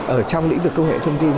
ở trong lĩnh vực công nghệ thông tin